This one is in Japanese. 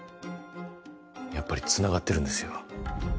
やっぱりつながってるんですよ